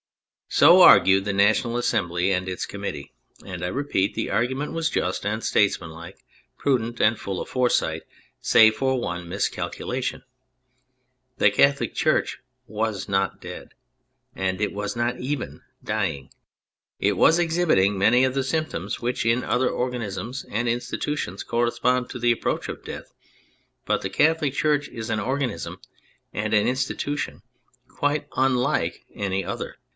So argued the National Assembly and its committee, and, I repeat, the argument was just and statesmanlike, prudent and full of foresight, save for one miscalculation. The Catholic Church was not dead, and was not even dying. It was exhibiting many of the symptoms which in other organisms and institutions correspond to the approach of death, but the Catholic Church is an organism and an institution quite unlike any other.